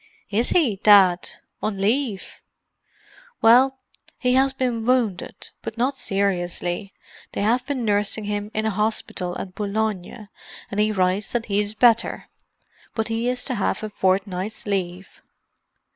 "Is he, Dad? On leave?" "Well—he has been wounded, but not seriously. They have been nursing him in a hospital at Boulogne and he writes that he is better, but he is to have a fortnight's leave."